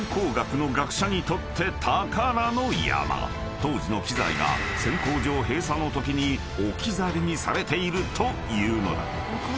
［当時の機材が選鉱場閉鎖のときに置き去りにされているというのだ］